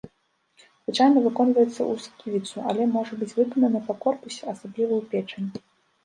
Звычайна выконваецца ў сківіцу, але можа быць выкананы па корпусе, асабліва ў печань.